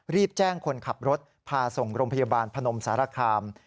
รีบแจ้งคนขับรถพาส่งโรงพยาบาลพนมสารคาม